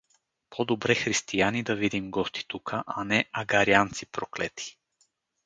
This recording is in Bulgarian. — По-добре християни да видим гости тука, а не агарянци проклети.